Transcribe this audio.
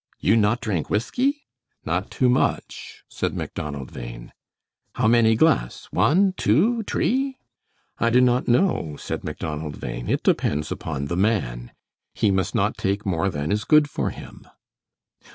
"You not drink whisky?" "Not too much," said Macdonald Bhain. "How many glass? One, two, tree?" "I do not know," said Macdonald Bhain. "It depends upon the man. He must not take more than is good for him."